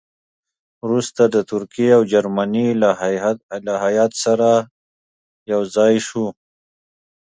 وروسته د ترکیې او جرمني له هیات سره یو ځای شو.